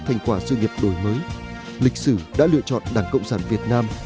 nhưng qua sự nghiệp đổi mới lịch sử đã lựa chọn đảng cộng sản việt nam